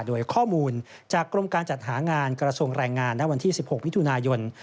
โดยข้อมูลจากกรมการจัดหางานกระทรวงแรงงานณวันที่๑๖มิถุนายน